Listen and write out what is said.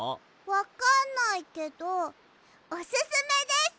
わかんないけどおすすめです！